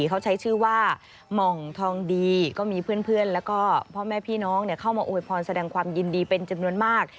เขาใช้ชื่อว่าหม่องทองดีก็มีเพื่อนแล้วก็พ่อแม่พี่น้องเข้ามาอวยพรแสดงความยินดีเป็นจำนวนมาก